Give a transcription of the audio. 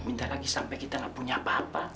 minta lagi sampai kita gak punya apa apa